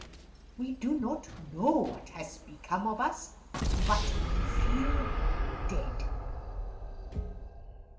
We do not know what has become of us, but we feel dead.